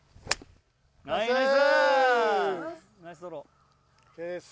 ナイス！